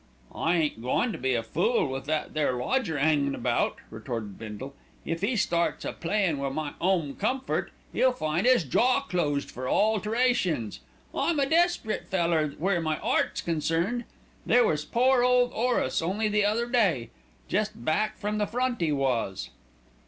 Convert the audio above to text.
"I ain't goin' to be a fool with that there lodger 'angin' about," retorted Bindle. "If 'e starts a playin' about wi' my 'Ome Comfort, 'e'll find 'is jaw closed for alterations. I'm a desperate feller where my 'eart's concerned. There was poor 'ole 'Orace only the other day. Jest back from the front 'e was."